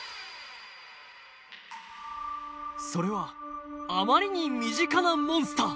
それはあまりに身近なモンスター